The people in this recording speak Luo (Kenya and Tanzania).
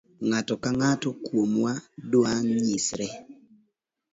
Ng'ato ka ng'ato kuomwa dwanyisre.